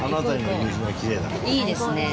いいですね。